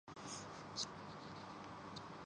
ان باتوں کو چھوڑئیے۔